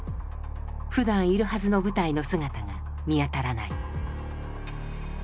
ふだんいるはずの部隊の姿が見当たらない。